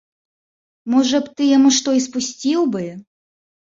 Можа б, ты яму што і спусціў бы?